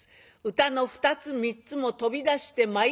歌の２つ３つも飛び出してまいりました